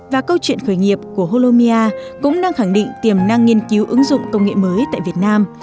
và câu chuyện khởi nghiệp của holomia cũng đang khẳng định tiềm năng nghiên cứu ứng dụng công nghệ mới tại việt nam